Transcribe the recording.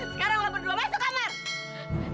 sekarang lo berdua masuk kamar